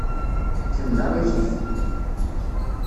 Kemm d aɣilif.